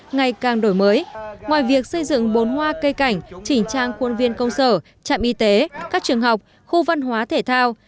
ngày càng đổi mới ngoài việc xây dựng bốn hoa cây cảnh chỉnh trang quân viên công sở trạm y tế các trường học khu văn hóa thể thao